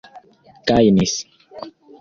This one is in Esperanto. gajnis